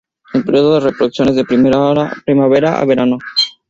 El período de reproducción es de primavera a verano.